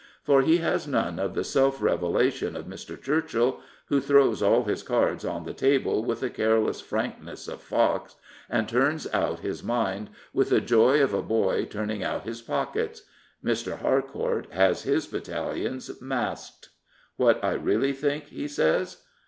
For he has none of the self revelation of Mr. Churchill, who throws all his cards on the table with the careless frankness of Fox, and turns out his mind with the joy of a boy turning out his pockets. Mr. Harcourt has his battalions masked. " What I really think," he says.